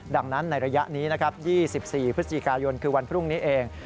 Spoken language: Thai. ดังนั้นในระยะนี้นะครับ๒๔พฤศจิกายนคือวันพรุ่งนี้เอง